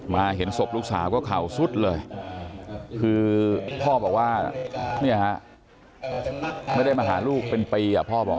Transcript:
เห็นศพลูกสาวก็เข่าสุดเลยคือพ่อบอกว่าเนี่ยฮะไม่ได้มาหาลูกเป็นปีพ่อบอก